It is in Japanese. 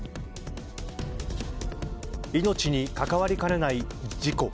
命に関わりかねない事故。